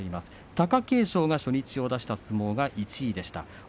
貴景勝が初日を出した相撲が１位でした。